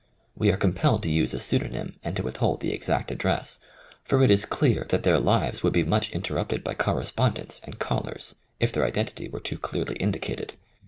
We are compelled to use a pseudomm and to withhold the exact address, for it is clear that their lives would be much inter rupted by correspondence and callers if their identity were too clearly indicated.